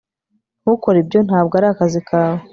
ntukore ibyo. ntabwo ari akazi kawe